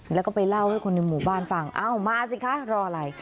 แล้วก็ไปเล่าให้คนในหมู่บ้านฟังอ้าวมาสิคะรออะไร